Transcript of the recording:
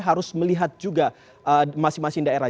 harus melihat juga masing masing daerah